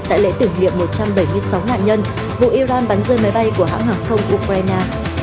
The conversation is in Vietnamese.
tại lễ tử nghiệm một trăm bảy mươi sáu nạn nhân vụ iran bắn rơi máy bay của hãng hàng không của ukraine